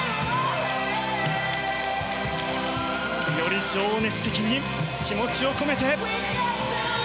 より情熱的に気持ちを込めて。